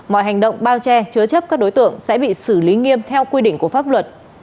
mọi hành động bao che chứa chấp các đối tượng sẽ bị xử lý nghiêm theo quy định của pháp luật